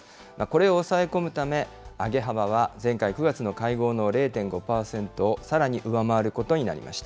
これを抑え込むため、上げ幅は前回９月の会合の０．５％をさらに上回ることになりまし